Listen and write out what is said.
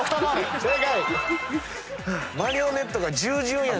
正解。